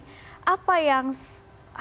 pak irmawan sebenarnya di masa transisi ini